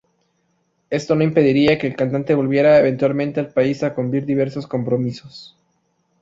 Esto no impediría que el cantante volviera eventualmente al país a cumplir diversos compromisos.